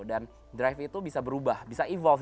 drive itu bisa berubah bisa evolve